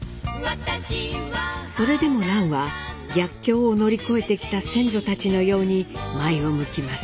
それでも蘭は逆境を乗り越えてきた先祖たちのように前を向きます。